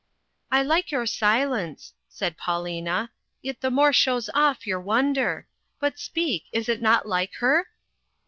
"I Hke your silence," said Paulina, "it the more shows off your wonder; but speak, is it not like her?'